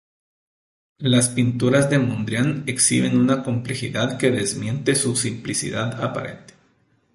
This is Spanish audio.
Las pinturas de Mondrian exhiben una complejidad que desmiente su simplicidad aparente.